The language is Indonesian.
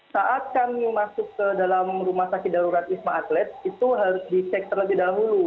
saat kami masuk ke dalam rumah sakit darurat wisma atlet itu harus dicek terlebih dahulu